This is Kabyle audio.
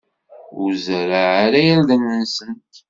Ur zerreɛ ara irden-nsent.